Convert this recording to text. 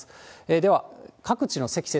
では、各地の積雪。